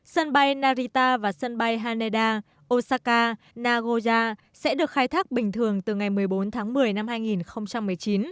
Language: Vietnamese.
sân bay narita và sân bay haneda osaka nagoya sẽ được khai thác bình thường từ ngày một mươi bốn tháng một mươi năm hai nghìn một mươi chín